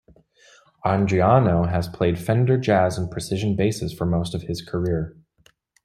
Andriano has played Fender Jazz and Precision Basses for most of his career.